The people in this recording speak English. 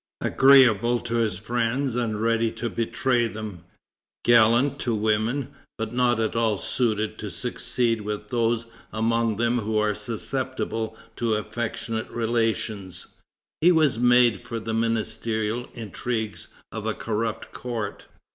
Agreeable to his friends, and ready to betray them, gallant to women, but not at all suited to succeed with those among them who are susceptible to affectionate relations, he was made for the ministerial intrigues of a corrupt court."